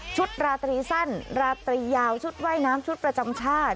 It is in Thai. ราตรีสั้นราตรียาวชุดว่ายน้ำชุดประจำชาติ